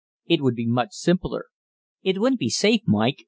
It would be much simpler." "It wouldn't be safe, Mike.